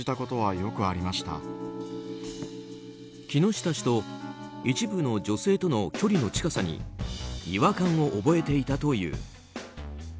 木下氏と一部の女性との距離の近さに違和感を覚えていたという。